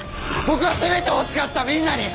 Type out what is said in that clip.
僕は責めてほしかったみんなに。